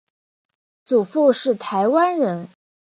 祖父是台湾人。